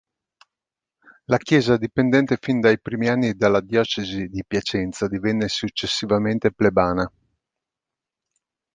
La chiesa, dipendente fin dai primi anni dalla diocesi di Piacenza, divenne successivamente plebana.